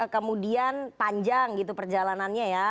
kemudian panjang gitu perjalanannya ya